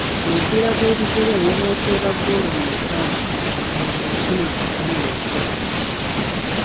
Mu mupiira gw'ebigere ne bw'oteeba ggoolo mmeka bw'owangula ofuna obubonero busatu.